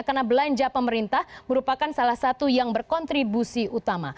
karena belanja pemerintah merupakan salah satu yang berkontribusi utama